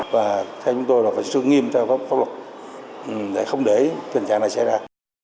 và theo chúng tôi là phải sư nghiêm theo pháp luật để không để tình trạng này xảy ra